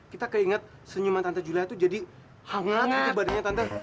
kita keinget senyuman tante julia itu jadi hangat itu badannya tante